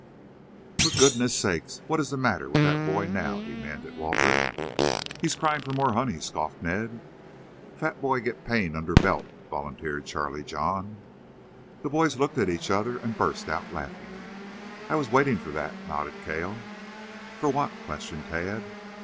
"For goodness' sake, what is the matter with that boy now?" demanded Walter. "He is crying for more honey," scoffed Ned. "Fat boy git pain under belt," volunteered Charlie John. The boys looked at each other and burst out laughing. "I was waiting for that," nodded Cale. "For what?" questioned Tad.